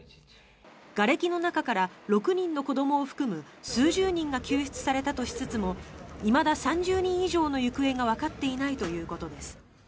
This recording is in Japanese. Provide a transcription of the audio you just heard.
がれきの中から６人の子どもを含む数十人が救出されたとしつつもいまだ３０人以上の行方がわかっていないということです。